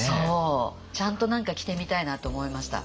ちゃんと何か着てみたいなと思いました。